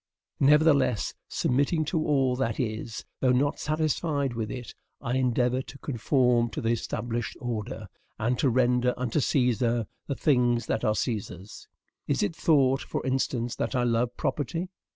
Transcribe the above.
Nevertheless, submitting to all that is, though not satisfied with it, I endeavor to conform to the established order, and to render unto Caesar the things that are Caesar's. Is it thought, for instance, that I love property?...